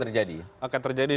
itu yang akan terjadi